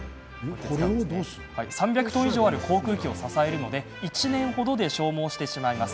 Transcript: ３００トン以上ある航空機を支えるので１年程で消耗してしまいます。